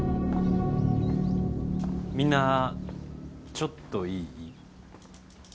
みんなちょっといい？